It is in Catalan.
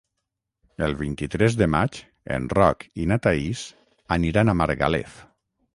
El vint-i-tres de maig en Roc i na Thaís aniran a Margalef.